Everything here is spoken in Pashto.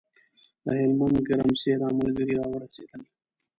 له هلمند ګرمسېره ملګري راورسېدل.